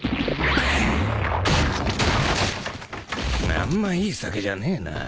あんまいい酒じゃねえな。